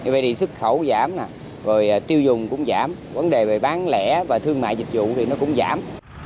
vậy thì xuất khẩu giảm rồi tiêu dùng cũng giảm vấn đề về bán lẻ và thương mại dịch vụ thì nó cũng giảm